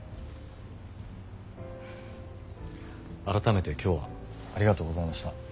改めて今日はありがとうございました。